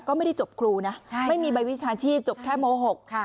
ก็ไม่ได้จบครูนะไม่มีใบวิชาชีพจบแค่โมหกค่ะ